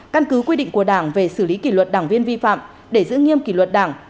căn cứ quy định của đảng về xử lý kỷ luật đảng viên vi phạm để giữ nghiêm kỷ luật đảng